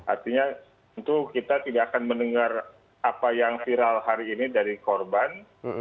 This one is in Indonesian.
artinya tentu kita tidak akan mendengar apa yang viral hari ini dari korban